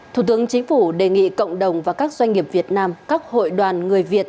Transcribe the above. thủ tướng chính phủ đề nghị cộng đồng và các doanh nghiệp việt nam các hội đoàn người việt